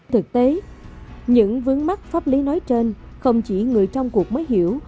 thực tế những vướng mắc pháp lý nói trên không chỉ người trong cuộc mới hiểu